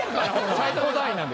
最高段位なんで。